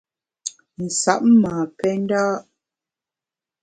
Nsab ma pè nda’.